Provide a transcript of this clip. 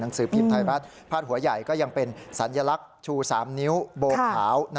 หนังสือพิมพ์ไพรภาคหัวใหญ่ก็ยังเป็นสัญลักษณ์ชูสามนิ้วโบขาว